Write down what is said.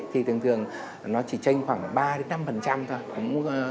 thì thường thường nó chỉ tranh khoảng ba năm thôi